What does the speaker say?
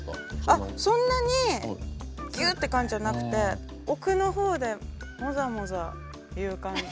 あっそんなにギュッて感じじゃなくて奥の方でモザモザっていう感じ。